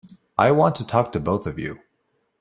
I want to talk to both of you.